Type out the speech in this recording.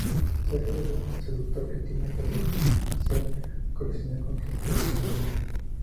Sergio es un seductor que tiene por afición coleccionar conquistas femeninas.